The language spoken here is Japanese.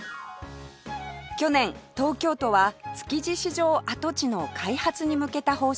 去年東京都は築地市場跡地の開発に向けた方針を決定